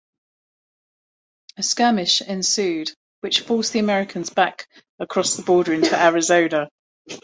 A skirmish ensued which forced the Americans back across the border into Arizona.